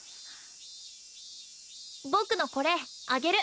僕のこれあげる